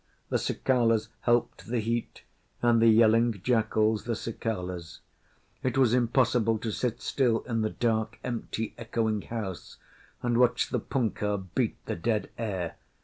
The cicalas helped the heat; and the yelling jackals the cicalas. It was impossible to sit still in the dark, empty, echoing house and watch the punkah beat the dead air.